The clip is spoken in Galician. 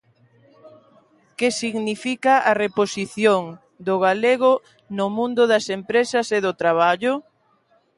Que significa a "reposición" do galego no mundo das empresas e do traballo?